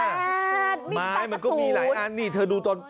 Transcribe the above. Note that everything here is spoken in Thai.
แป๊ดมีแต้ประสูทไม่มึงมีหลายอันนี่เธอดูตอน